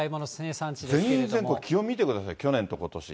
全然これ、気温見てください、去年とことし。